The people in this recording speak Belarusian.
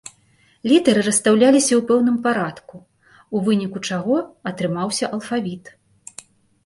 Літары расстаўляліся ў пэўным парадку, у выніку чаго атрымаўся алфавіт.